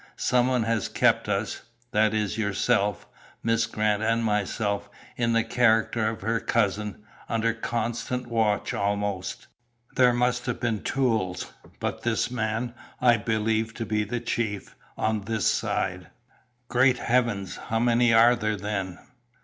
Some one has kept us that is, yourself, Miss Grant and myself, in the character of her cousin under constant watch, almost. There must have been tools, but this man I believe to be the chief, on this side." "Great heavens! How many are there, then?"